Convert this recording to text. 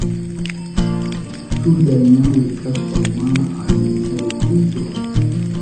Chulla ñawi kashpan mana alita rikunchu.